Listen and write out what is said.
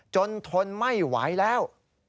ทนไม่ไหวแล้ว